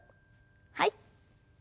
はい。